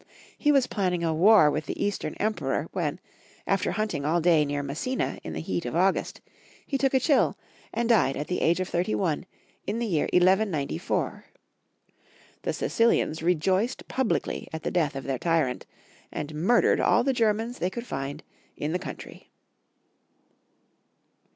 He was planning a war with the Eastern Emperor, when, after hunt ing all day near Messina in the heat of August, he took a chill, and died at the age of thirty one, in the year 1194. The Sicilians rejoiced publicly at the death of their tyrant, and murdered all the Germans they could find in the country.